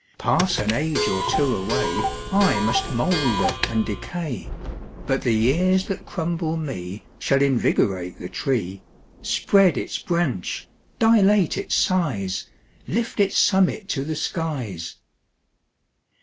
Pass an age or two away, I must moulder and decay, But the years that crumble me Shall invigorate the tree, Spread its branch, dilate its size, Lift its summit to the skies.